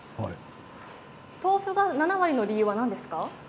豆腐が７割の理由は何ですか？